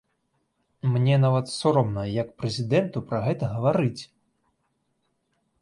Мне нават сорамна як прэзідэнту пра гэта гаварыць.